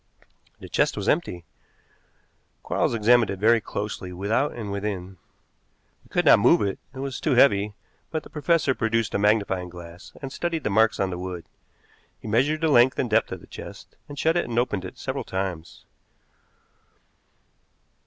The chest was empty. Quarles examined it very closely without and within. We could not move it, it was too heavy, but the professor produced a magnifying glass and studied the marks on the wood. He measured the length and depth of the chest, and shut it and opened it several times.